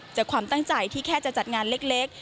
จากความตั้งใจที่แค่จะจัดงานเล็ก